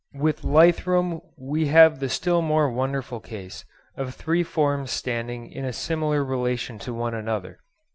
With Lythrum we have the still more wonderful case of three forms standing in a similar relation to one another.